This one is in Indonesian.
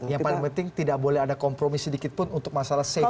yang paling penting tidak boleh ada kompromi sedikit pun untuk masalah safety